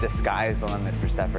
kebukaan itu adalah kelima untuk steffer